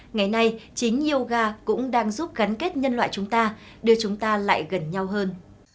ngày nay chính yoga cũng đang giúp gắn kết nhân loại chúng ta đưa chúng ta lại gần nhau hơn